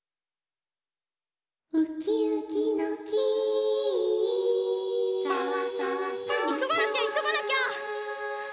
「ウキウキの木」いそがなきゃいそがなきゃ！